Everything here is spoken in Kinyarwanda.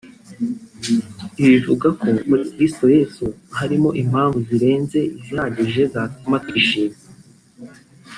Ibi bivuze ko muri Kristo Yesu harimo impamvu zirenze izihagije zatuma twishima